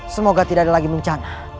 semoga tidak ada lagi bencana